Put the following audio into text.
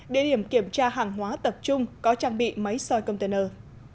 địa điểm kiểm tra hàng hóa tập trung có trang bị máy soi container